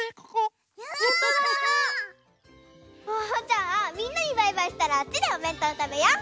じゃあみんなにバイバイしたらあっちでおべんとうたべよう。